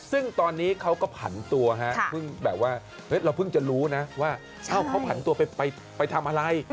ซึ่งตอนนี้เขาก็ผันตัวเราเพิ่งจะรู้นะว่าเขาผันตัวไปทำอะไร